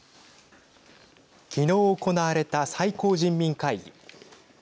昨日、行われた最高人民会議。